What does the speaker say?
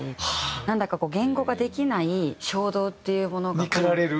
なんだか言語化できない衝動っていうものが。に駆られる？